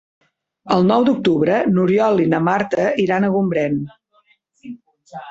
El nou d'octubre n'Oriol i na Marta iran a Gombrèn.